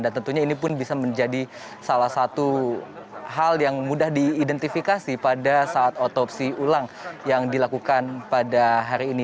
dan tentunya ini pun bisa menjadi salah satu hal yang mudah diidentifikasi pada saat otopsi ulang yang dilakukan pada hari ini